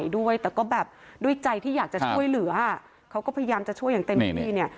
ด้วยแต่ก็แบบด้วยใจที่อยากจะช่วยเหลือเขาก็พยายามจะช่วยอย่างเต็มที่เนี่ย